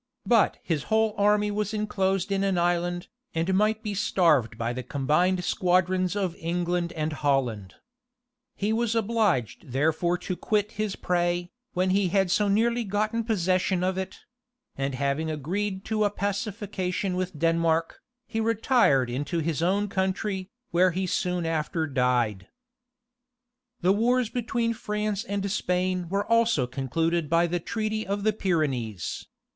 But his whole army was enclosed in an island, and might be starved by the combined squadrons of England and Holland. He was obliged therefore to quit his prey, when he had so nearly gotten possession of it; and having agreed to a pacification with Denmark, he retired into his own country, where he soon after died. The wars between France and Spain were also concluded by the treaty of the Pyrenees.